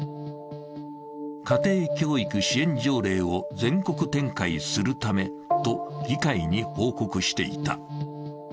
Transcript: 家庭教育支援条例を全国展開するためと議会に報告していた。